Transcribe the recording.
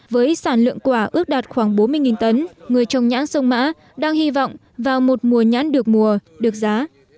với sản lượng quả ước đạt khoảng bốn mươi tấn người trồng nhãn sông mã đang hy vọng vào một mùa nhãn được mùa được giá